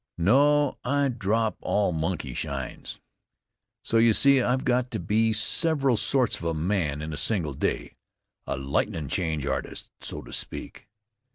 No; I drop all monkeyshines. So you see, I've got to be several sorts of a man in a single day, a lightnin' change artist, so to speak.